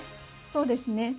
そうですね。